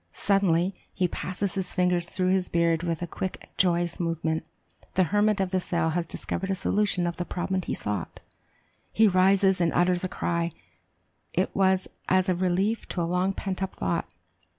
Suddenly he passes his fingers through his beard with a quick joyous movement the hermit of the cell has discovered a solution of the problem he sought! He rises and utters a cry; it was as a relief to a long pent up thought.